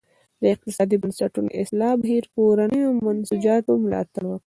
د اقتصادي بنسټونو د اصلاح بهیر کورنیو منسوجاتو ملاتړ وکړ.